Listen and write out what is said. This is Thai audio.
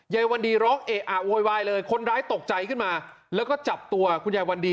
ยายวันดีร้องเอะอะโวยวายเลยคนร้ายตกใจขึ้นมาแล้วก็จับตัวคุณยายวันดี